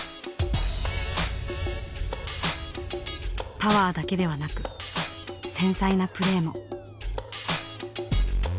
パワーだけではなく繊細なプレーも。